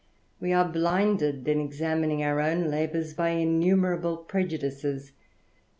We are blinded in examining our own labours by innumerable prejudices.